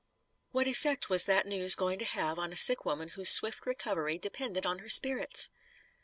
What effect was that news going to have on a sick woman whose swift recovery depended on her spirits?